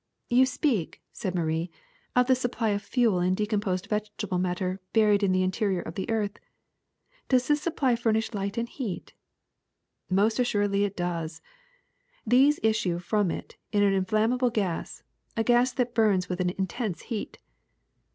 '' *^You speak," said Marie, '^of the supply of fuel in decomposed vegetable matter buried in the in terior of the earth. Does this supply furnish light and heat?" ^^Most assuredly it does. There issues from it an inflammable gas, a gas that burns with an intense heat.